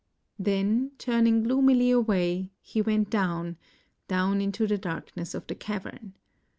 Then turning gloomily away, he went down — down into the darkness of the cavern.